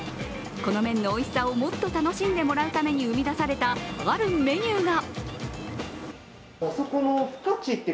この麺のおいしさをもっと楽しんでもらうために生み出されたあるメニューが。